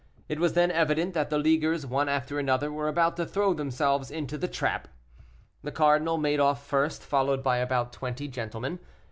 It was then evident that the leaguers, one after another, were about to throw themselves into the trap. The cardinal made off first, followed by about twenty gentlemen.